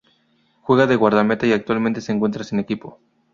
Juega de guardameta y actualmente se encuentra sin equipo.